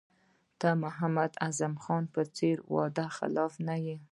ته د محمد اعظم خان په څېر وعده خلاف نه یې.